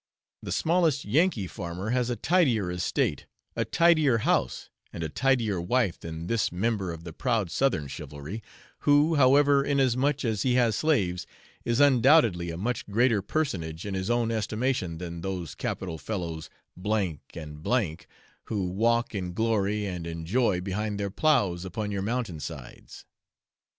The smallest Yankee farmer has a tidier estate, a tidier house, and a tidier wife than this member of the proud southern chivalry, who, however, inasmuch as he has slaves, is undoubtedly a much greater personage in his own estimation than those capital fellows W and B , who walk in glory and in joy behind their ploughs upon your mountain sides.